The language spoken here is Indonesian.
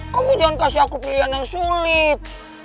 kamu jangan kasih aku pilihan yang sulit